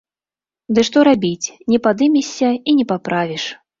Ды што рабіць, не падымешся і не паправіш.